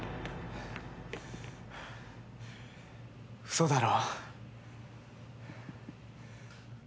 嘘だろ？